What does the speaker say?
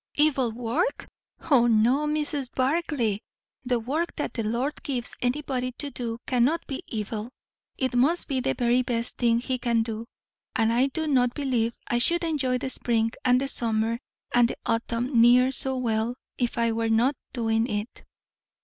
"Evil work! O no, Mrs. Barclay. The work that the Lord gives anybody to do cannot be evil. It must be the very best thing he can do. And I do not believe I should enjoy the spring and the summer and the autumn near so well, if I were not doing it."